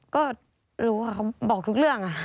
ก็รู้ค่ะเขาบอกทุกเรื่อง